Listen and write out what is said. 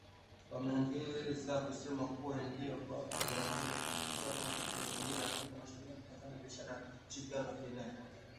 Wameongeza kusema kuwa kuingia kwa Jamhuri ya kidemokrasia ya Kongo katika Jumuiya ya Afrika Mashariki kutapanua biashara na ushirikiano wa kieneo.